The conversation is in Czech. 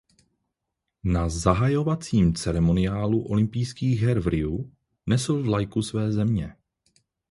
Na zahajovacím ceremoniálu olympijských her v Riu nesl vlajku své země.